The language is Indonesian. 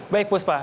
baik bu sipah